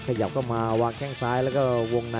ขยับเข้ามาวางแข่งซ้ายและก็วงในขวางหน้า